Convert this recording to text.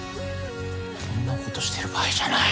こんなことしてる場合じゃない！